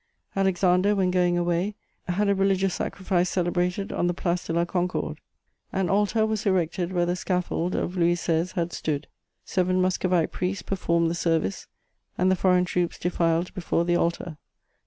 Alexander, when going away, had a religious sacrifice celebrated on the Place de la Concorde. An altar was erected where the scaffold of Louis XVI. had stood. Seven Muscovite priests performed the service, and the foreign troops defiled before the altar.